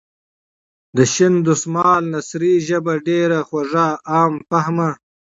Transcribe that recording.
د شین دسمال نثري ژبه ډېره خوږه ،عام فهمه.